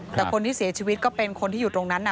แต่คนที่เสียชีวิตก็เป็นคนที่อยู่ตรงนั้น